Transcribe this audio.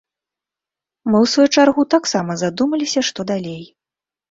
Мы, у сваю чаргу, таксама задумаліся, што далей.